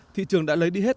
thị trường đã lấy đi hết